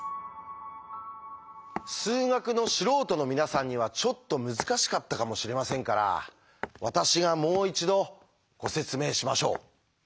数学の素人の皆さんにはちょっと難しかったかもしれませんから私がもう一度ご説明しましょう。